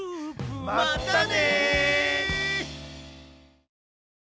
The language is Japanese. またね！